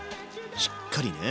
しっかりね。